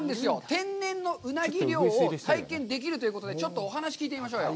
天然のうなぎ漁を体験できるということで、ちょっとお話を聞いてみましょうよ。